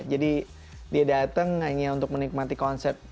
jadi dia datang hanya untuk menikmati konser